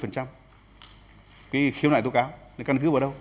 cái khiếu nại tố cáo thì căn cứ vào đâu